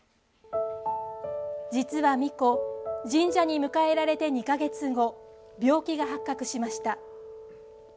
実はミコ神社に迎えられて２か月後病気が発覚しました。